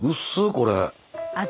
これ。